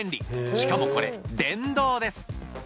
しかもこれ電動です。